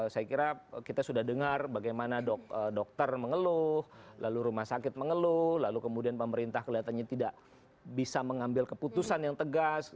saya kira kita sudah dengar bagaimana dokter mengeluh lalu rumah sakit mengeluh lalu kemudian pemerintah kelihatannya tidak bisa mengambil keputusan yang tegas